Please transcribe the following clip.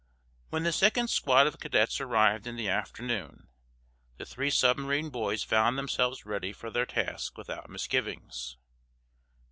When the second squad of cadets arrived, in the afternoon, the three submarine boys found themselves ready for their task without misgivings.